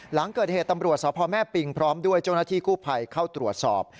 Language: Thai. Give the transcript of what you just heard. หลังเกิดเหตุตำรวจสพแม่ปิงพร้อมด้วยเจ้าหน้าที่กู้ภัยเข้าตรวจสอบ